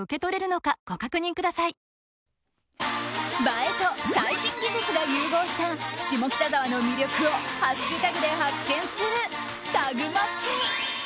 映えと最新技術が融合した下北沢の魅力をハッシュタグで発見するタグマチ。